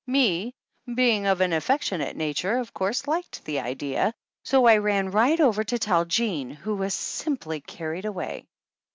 Me, being of an affectionate nature, of course liked the idea, so I ran right over to tell Jean, who was simply carried away.